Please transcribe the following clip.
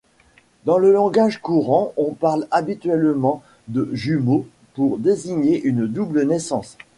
Dans le langage courant, on parle habituellement de jumeaux pour désigner une double naissance.